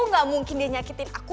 gak mungkin dia nyakitin aku